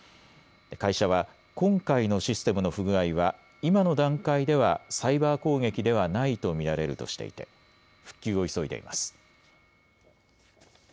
会社は今回のシステムの不具合は今の段階ではサイバー攻撃ではないと見られるとしていて復旧を急いでいます。